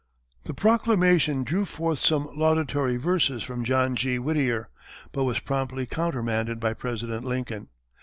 The proclamation drew forth some laudatory verses from John G. Whittier, but was promptly countermanded by President Lincoln.